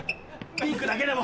ピンクだけでも！